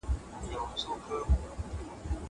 دا زدکړه له هغه ګټوره ده.